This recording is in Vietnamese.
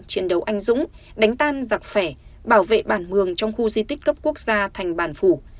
chiến đấu anh dũng đánh tan giặc phải bảo vệ bản mường trong khu di tích cấp quốc gia thành bản phủ